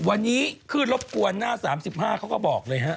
วันนี้ขึ้นรบกวนหน้า๓๕เขาก็บอกเลยฮะ